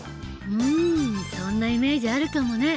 うんそんなイメージあるかもね。